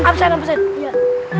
apa sih apa sih